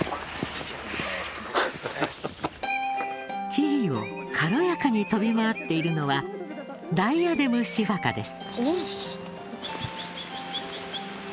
木々を軽やかに跳び回っているのはダイアデムシファカです。